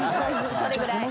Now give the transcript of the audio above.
それぐらい。